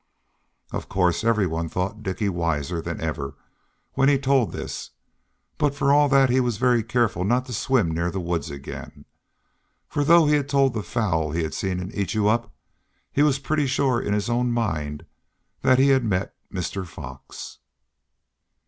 Of course everyone thought Dicky wiser than ever when he told this, but for all that he was very careful not to swim near the woods again, for, though he had told the fowl he had seen an Eatyoup, he was pretty sure in his own mind that he had met Mr. Fox.